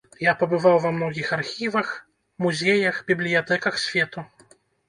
Я пабываў ва многіх архівах, музеях, бібліятэках свету.